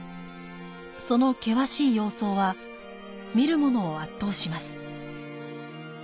その険しい様相は、見るものを圧倒します。